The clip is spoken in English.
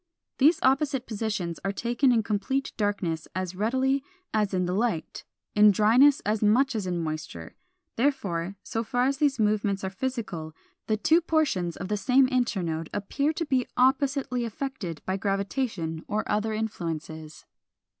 These opposite positions are taken in complete darkness as readily as in the light, in dryness as much as in moisture: therefore, so far as these movements are physical, the two portions of the same internode appear to be oppositely affected by gravitation or other influences.